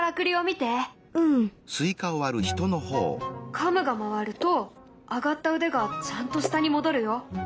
カムが回ると上がった腕がちゃんと下に戻るよ。